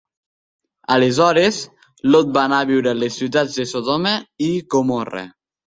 Aleshores, Lot va anar a viure a les ciutats de Sodoma i Gomorra.